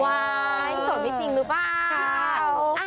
โสดไม่จริงหรือเปล่า